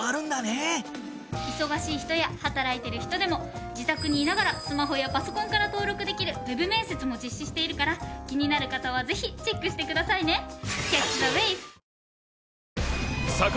忙しい人や働いてる人でも自宅にいながらスマホやパソコンから登録できるＷＥＢ面接も実施しているから気になる方はぜひチェックしてくださいね。